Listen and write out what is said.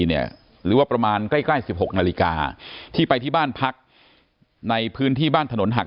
เนี่ยหรือว่าประมาณใกล้๑๖นาฬิกาที่ไปที่บ้านพักในพื้นที่บ้านถนนหัก